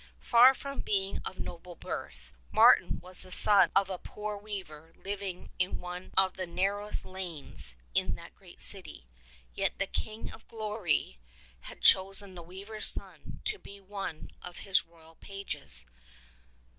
Far from being of noble birth, Mar tin was the son of a poor weaver living in one of the nar rowest lanes in that great city; yet the King of Glory had chosen the weaver's son to be one of His royal pages.